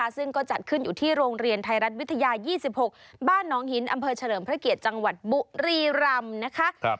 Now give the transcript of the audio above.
ซึ่งก็จัดขึ้นอยู่ที่โรงเรียนไทยรัฐวิทยา๒๖บ้านน้องหินอำเภอเฉลิมพระเกียรติจังหวัดบุรีรำนะคะ